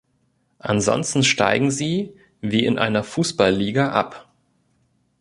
Ansonsten steigen sie wie in einer Fußballiga ab.